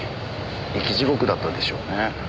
生き地獄だったでしょうね。